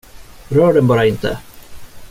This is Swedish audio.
Rör den bara inte!